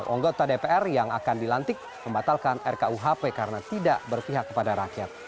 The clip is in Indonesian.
anggota dpr yang akan dilantik membatalkan rkuhp karena tidak berpihak kepada rakyat